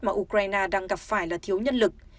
mà ukraine đang gặp phải là thiếu nhân lực